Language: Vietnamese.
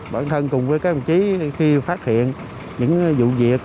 bản thân cùng với các đồng chí khi phát hiện những vụ việc